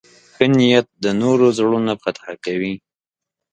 ښه نیت د نورو زړونه فتح کوي.